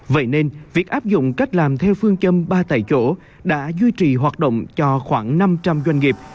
vậy nên việc áp dụng cách làm theo phương châm ba tại chỗ đã duy trì hoạt động cho khoảng năm trăm linh doanh nghiệp